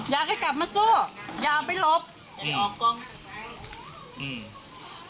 อยากให้กลับมาสู้อย่าเอาไปหลบจะไปออกกล้องอืม